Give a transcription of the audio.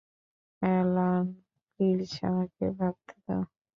Alan, please, আমাকে ভাবতে দাও।